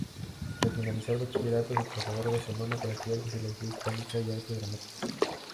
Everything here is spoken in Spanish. Tras finalizar bachillerato se trasladó a Barcelona para estudiar Filología Hispánica y Arte Dramático.